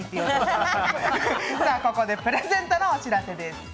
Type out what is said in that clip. ここでプレゼントのお知らせです。